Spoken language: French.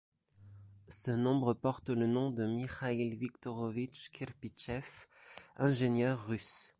Ce nombre porte le nom de Mikhail Viktorovich Kirpichev, ingénieur russe.